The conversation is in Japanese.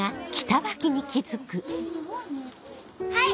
はい！